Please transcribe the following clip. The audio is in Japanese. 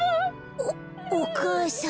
おお母さん。